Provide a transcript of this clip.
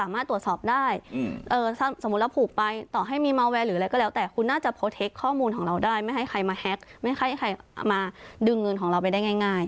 ไม่ให้ใครมาแฮ็กไม่ให้ใครมาดึงเงินของเราไปได้ง่าย